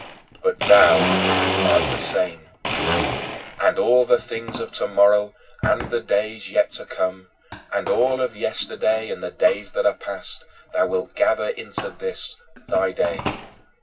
"But thou art the same"! And all the things of tomorrow and the days yet to come, and all of yesterday and the days that are past, thou wilt gather into this thy day.